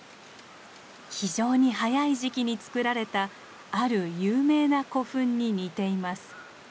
非常に早い時期につくられたある有名な古墳に似ています。